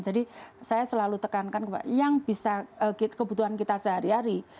jadi saya selalu tekankan kebutuhan kita sehari hari